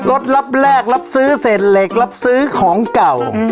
รับแรกรับซื้อเศษเหล็กรับซื้อของเก่า